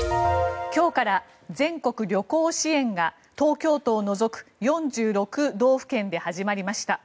今日から全国旅行支援が東京都を除く４６道府県で始まりました。